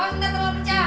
awas entar telur pecah